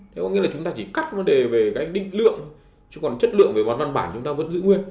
thế có nghĩa là chúng ta chỉ cắt vấn đề về cái định lượng chứ còn chất lượng về bán văn bản chúng ta vẫn giữ nguyên